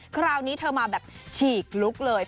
คราวนี้เธอมาแบบฉีกลุกเลย